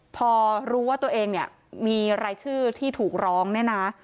พอรู้ว่าตัวเองเนี่ยมีรายชื่อที่ถูกร้องเนี่ยนะ